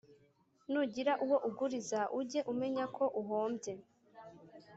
nugira uwo uguriza, ujye umenya ko uhombye